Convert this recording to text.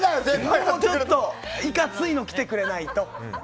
もうちょっといかついのきてくれないと。